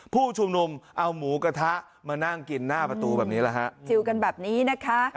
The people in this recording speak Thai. ผู้ชุมนุมเอาหมูกระทะมานั่งกินหน้าประตูแบบนี้แหละฮะจิลกันแบบนี้นะคะ